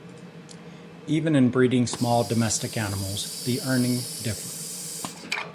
Even in breeding small domestic animals, the earning differ.